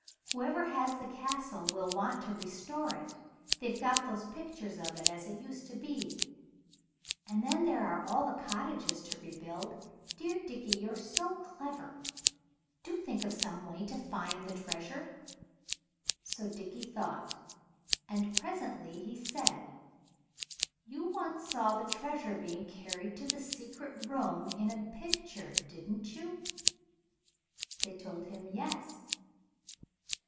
"Whoever has the Castle will want to restore it; they've got those pictures of it as it used to be. And then there are all the cottages to rebuild. Dear Dickie, you're so clever, do think of some way to find the treasure." So Dickie thought. And presently he said "You once saw the treasure being carried to the secret room in a picture, didn't you?" They told him yes.